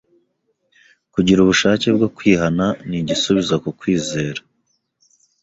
Kugira ubushake bwo kwihana n'igisubizo ku kwizera,